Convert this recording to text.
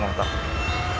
agar gelap dia bisa mengontak